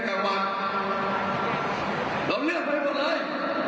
เราเลือกไปก่อนเลย